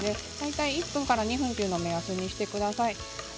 １分から２分を目安にしてください。